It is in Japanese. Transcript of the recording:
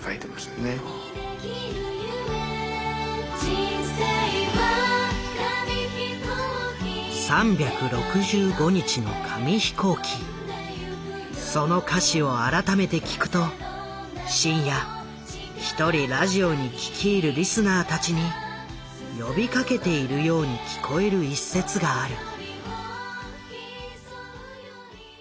「人生は紙飛行機」「３６５日の紙飛行機」その歌詞を改めて聴くと深夜１人ラジオに聞き入るリスナーたちに呼びかけているように聞こえる一節がある。